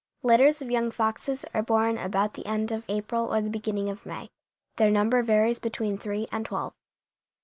Litters of young foxes are born about the end of April or the beginning of May. Their number varies between three and twelve.